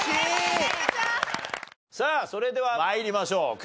それでは参りましょう。